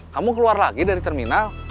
kamu keluar lagi dari terminal